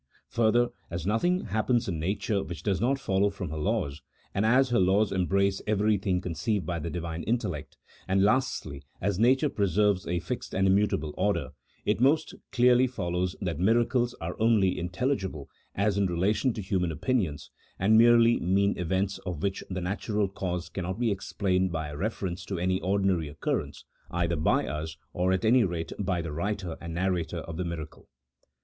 Further, as nothing happens in nature which does not follow from her laws, and as her laws embrace everything conceived by the Divine intellect, and lastly, as nature preserves a fixed and immutable order; it most clearly follows that miracles are only intelligible as in rela tion to human opinions, and merely mean events of which the natural cause cannot be explained by a reference to any ordinary occurrence, either by us, or at any rate, by the writer and narrator of the miracle.